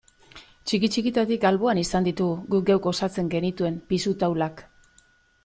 Txiki-txikitatik alboan izan ditugu guk geuk osatzen genituen pisu taulak.